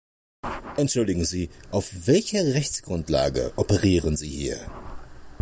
Entschuldigen Sie, auf welcher Rechtsgrundlage operieren Sie hier?